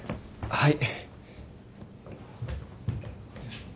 はい。